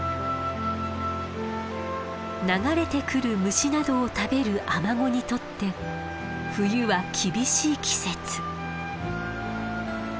流れてくる虫などを食べるアマゴにとって冬は厳しい季節。